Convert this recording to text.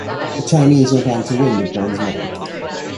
The Chinese went on to win the bronze medal.